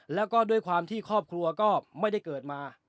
แล้วก็ด้วยความที่ครอบครัวก็ไม่ได้เกิดมา